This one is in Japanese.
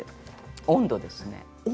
温度ですね。